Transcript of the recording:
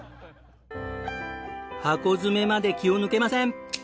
箱詰めまで気を抜けません。